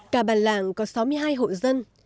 cả bàn làng có sáu mươi hai hộ dân